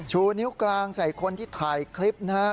ชูนิ้วกลางใส่คนที่ถ่ายคลิปนะครับ